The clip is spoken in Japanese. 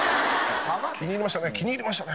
気に入りましたね